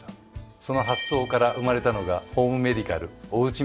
その発想から生まれたのがホームメディカルおうち